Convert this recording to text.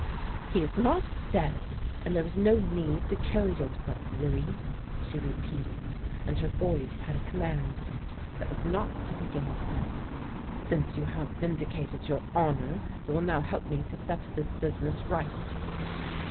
" He is not dead, and there is no need to kill yourself, Louis," she repeated, and her voice had a command in it that was not to be gainsaid. " Since you have vindi cated your honour, you will now help me to set this business right."